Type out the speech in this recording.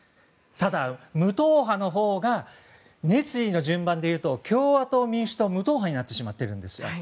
ただ無党派のほうが熱意の順番でいうと共和党、民主党、無党派になってしまっているんですよ。